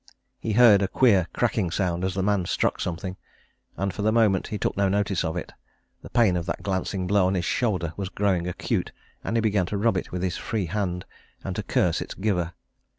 He heard a queer cracking sound as the man struck something, and for the moment he took no notice of it the pain of that glancing blow on his shoulder was growing acute, and he began to rub it with his free hand and to curse its giver.